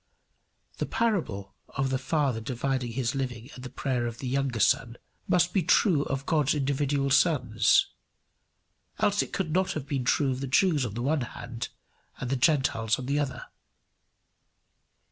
The parable of the father dividing his living at the prayer of the younger son, must be true of God's individual sons, else it could not have been true of the Jews on the one hand and the Gentiles on the other.